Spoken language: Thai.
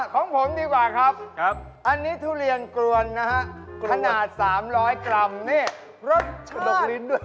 ของผมดีกว่าครับอันนี้ทุเรียนกรวนนะฮะขนาด๓๐๐กรัมนี่รสนกลิ้นด้วย